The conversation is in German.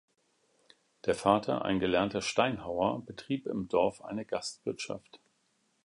Der Vater, ein gelernter Steinhauer, betrieb im Dorf eine Gastwirtschaft.